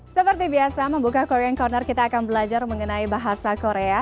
seperti biasa membuka korean corner kita akan belajar mengenai bahasa korea